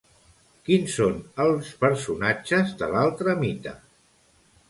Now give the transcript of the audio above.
Quins són els personatges de l'altre mite?